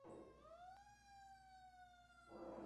Siendo uno de los primeros directores en ostentar el cargo.